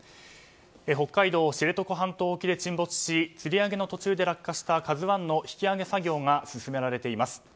北海道知床半島沖で沈没しつり上げの途中で落下した「ＫＡＺＵ１」の引き揚げ作業が進められています。